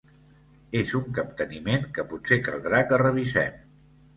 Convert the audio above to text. És un capteniment que potser caldrà que revisem.